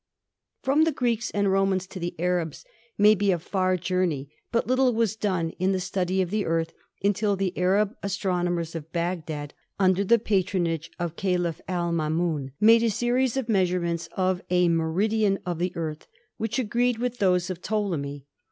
From the Greeks and Romans to the Arabs may be a far journey, but little was done in the study of the Earth until the Arab astronomers at Bagdad, under the patronage of Caliph Al Mamun, made a series of measurements of a meridian of the Earth which agreed with those of Ptolemy.